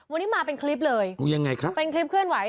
วันนี้มาเป็นคลิปเลยยังไงครับเป็นคลิปเคลื่อนไห